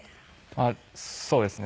あっそうですね。